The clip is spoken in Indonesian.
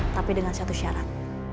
tapi dengan satu syarat